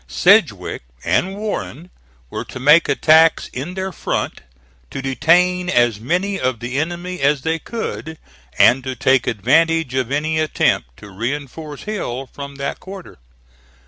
Sedgwick and Warren were to make attacks in their front, to detain as many of the enemy as they could and to take advantage of any attempt to reinforce Hill from that quarter.